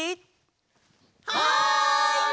はい！